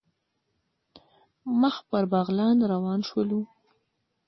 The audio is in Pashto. مخ پر بغلان روان شولو.